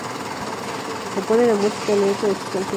Compone la música y la letra de sus canciones.